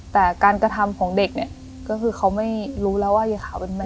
แต่การกระทำของเด็กเนี่ยก็คือเขาไม่รู้แล้วว่ายายขาวเป็นแม่